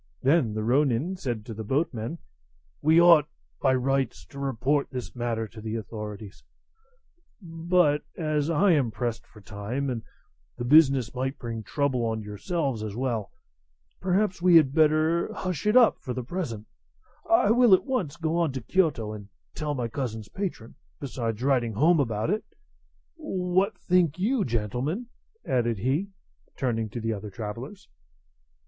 Then the ronin said to the boatmen: "We ought, by rights, to report this matter to the authorities; but as I am pressed for time, and the business might bring trouble on yourselves as well, perhaps we had better hush it up for the present; I will at once go on to Kiyoto and tell my cousin's patron, besides writing home about it. What think you, gentlemen?" added he, turning to the other travellers.